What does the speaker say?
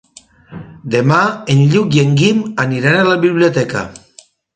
Demà en Lluc i en Guim aniran a la biblioteca.